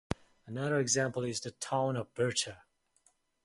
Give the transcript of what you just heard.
Another example is the town of Bircza.